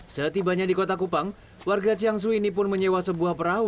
setibanya di kota kupang warga ciangsu ini pun menyewa sebuah perahu